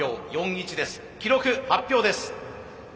記録発表です。